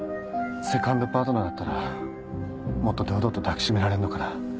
セカンドパートナーだったらもっと堂々と抱きしめられるのかな？